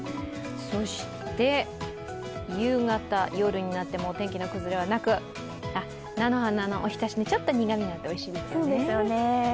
そして夕方、夜になってもお天気の崩れはなく菜の花のおひたし、ちょっと苦みがあっておいしいですよね。